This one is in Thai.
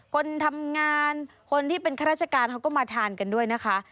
คนทำงานคนที่เป็นข้าราชการเขาก็มาทานกันด้วยนะคะ